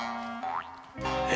え？